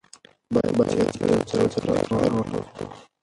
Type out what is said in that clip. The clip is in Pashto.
باید د تېرو تېروتنو تکرار ونه کړو.